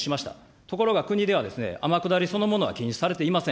ところが国では、天下りそのものは禁止されていません。